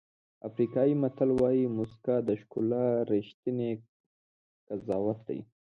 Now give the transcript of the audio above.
افریقایي متل وایي موسکا د ښکلا ریښتینی قضاوت دی.